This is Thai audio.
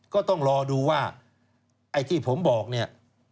ก็ต้องรอดูว่าไอ้ที่ผมบอกเนี่ย